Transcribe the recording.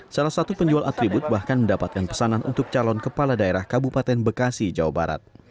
salah satu penjual atribut bahkan mendapatkan pesanan untuk calon kepala daerah kabupaten bekasi jawa barat